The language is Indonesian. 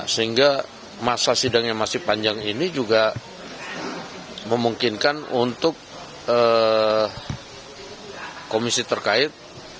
sehingga masa sidang yang masih panjang ini juga memungkinkan untuk komisi terkait